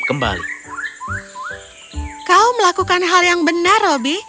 kau melakukan hal yang benar roby